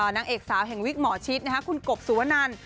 นางเอกสาวแห่งวิกหมอชิดคุณกบสุวนัน